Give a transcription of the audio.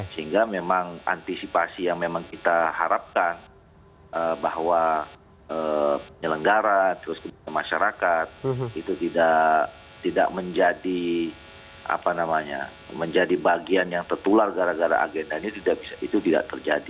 sehingga memang antisipasi yang memang kita harapkan bahwa penyelenggara terus kemudian masyarakat itu tidak menjadi apa namanya menjadi bagian yang tertular gara gara agenda ini itu tidak terjadi